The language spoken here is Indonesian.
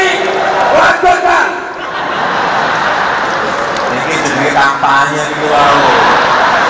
empat keadilan sosial bagi seluruh rakyat indonesia